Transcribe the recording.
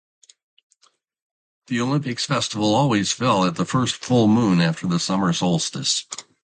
The Olympic festival always fell at the first full moon after the summer solstice.